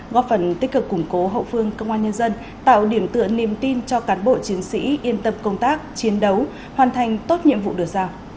góp phần tích cực củng cố hậu phương công an nhân dân tạo điểm tựa niềm tin cho cán bộ chiến sĩ yên tâm công tác chiến đấu hoàn thành tốt nhiệm vụ được giao